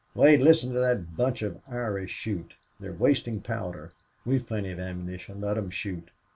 "Wait. Listen to that bunch of Irish shoot. They're wasting powder." "We've plenty of ammunition. Let 'em shoot.